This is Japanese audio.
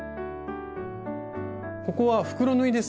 ここは袋縫いですね。